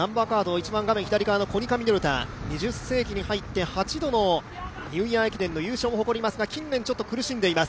一番左側のコニカミノルタ２０世紀に入って、８度のニューイヤー駅伝の優勝を誇っていますが近年ちょっと苦しんでいます。